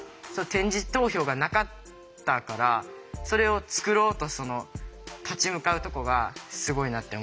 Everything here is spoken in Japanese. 点字投票がなかったからそれを作ろうと立ち向かうとこがすごいなって思うし